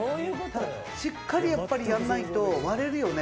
しっかりやっぱりやんないと割れるよね？